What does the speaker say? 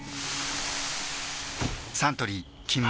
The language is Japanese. サントリー「金麦」